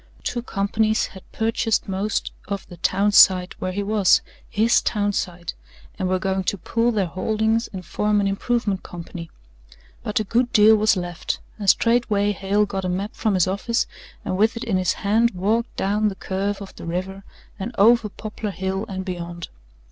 Two companies had purchased most of the town site where he was HIS town site and were going to pool their holdings and form an improvement company. But a good deal was left, and straightway Hale got a map from his office and with it in his hand walked down the curve of the river and over Poplar Hill and beyond.